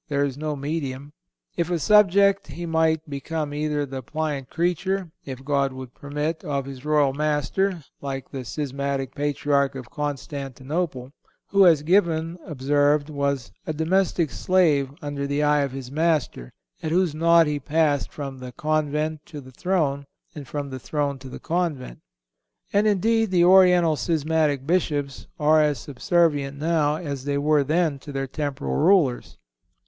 There is no medium. If a subject, he might become either the pliant creature, if God would so permit, of his royal master, like the schismatic Patriarch of Constantinople, who, as Gibbon observed, was "a domestic slave under the eye of his master, at whose nod he passed from the convent to the throne, and from the throne to the convent." And, indeed, the Oriental schismatic Bishops are as subservient now as they were then to their temporal rulers.